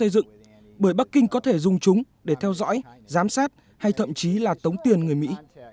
dựng bởi bắc kinh có thể dùng chúng để theo dõi giám sát hay thậm chí là tống tiền người mỹ